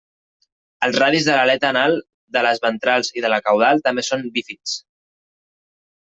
Els radis de l'aleta anal, de les ventrals i de la caudal també són bífids.